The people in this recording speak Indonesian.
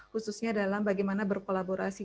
khususnya dalam bagaimana berkolaborasi